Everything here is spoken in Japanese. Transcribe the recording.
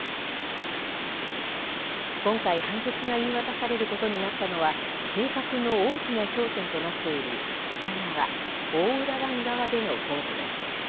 今回、判決が言い渡されることになったのは、計画の大きな焦点となっている北側、大浦湾側での工事です。